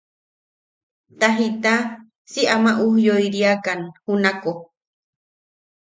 Ta jita si ama ujyoiriakan junako.